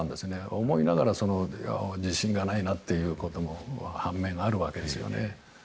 思いながら、自信がないなっていうことも半面あるわけですよね。